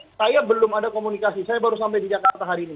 hai saya belum ada komunikasi saya baru sampai di jakarta hari ini